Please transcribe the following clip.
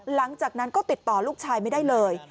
หลังจากนั้นก็ติดต่อลูกชายไม่ได้เลย